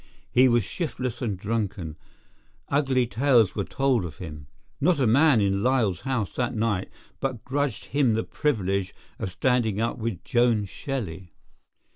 He was shiftless and drunken; ugly tales were told of him. Not a man in Lyall's house that night but grudged him the privilege of standing up with Joan Shelley.